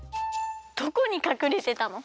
どこにかくれてたの？